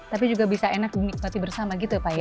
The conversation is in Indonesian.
tapi juga bisa enak dinikmati bersama gitu ya pak ya